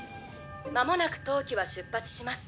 まもなく当機は出発します